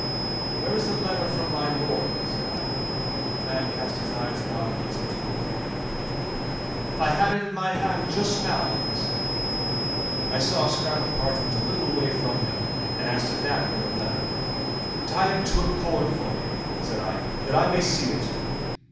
'Where is the letter from my Lord?' said I. The man cast his eyes about him as if to look for it. 'I had it in my hand just now,' he said. I saw a scrap of parchment a little way from him, and asked if that were the letter. 'Tie it to a cord for me,' said I, 'that I may see it.